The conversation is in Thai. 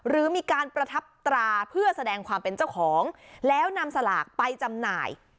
หรือมีการประทับตราเพื่อแสดงความเป็นเจ้าของแล้วนำสลากไปจำหน่าย